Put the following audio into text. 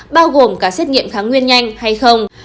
bao gồm cả xét nghiệm kháng nguyên nhanh hay không